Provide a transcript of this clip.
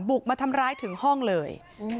บุกมาทำร้ายถึงห้องเลย